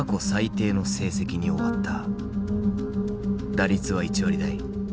打率は１割台。